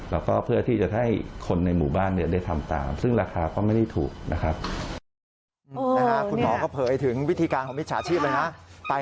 แล้วก็เพื่อที่จะให้คนในหมู่บ้านเนี่ย